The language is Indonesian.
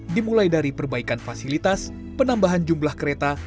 dimulai dari perbaikan fasilitas penambahan jumlah kereta